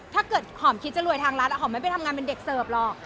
ถ้าเกิดหอมคิดจะรวยทางรัฐหอมไม่ไปทำงานเป็นเด็กเสิร์ฟหรอก